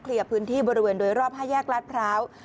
เคลียร์พื้นที่บริเวณโดยรอบห้าแยกลาดพร้าว